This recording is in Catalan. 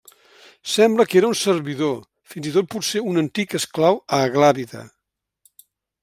Sembla que era un servidor, fins i tot potser un antic esclau aglàbida.